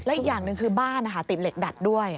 อีกอย่างหนึ่งคือบ้านติดเหล็กดัดด้วย